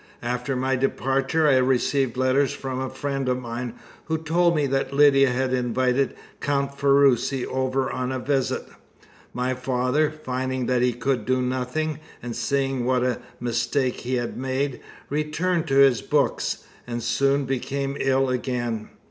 After my departure I received letters from a friend of mine, who told me that Lydia had invited Count Ferruci over on a visit. My father, finding that he could do nothing, and seeing what a mistake he had made, returned to his books, and soon became ill again.